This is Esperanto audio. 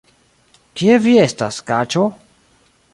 Kie vi estas, kaĉo?